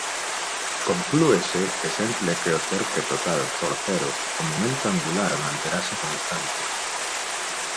Conclúese que sempre que o torque total for cero o momento angular manterase constante.